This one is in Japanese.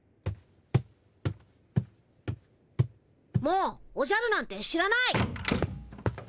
もうおじゃるなんて知らない！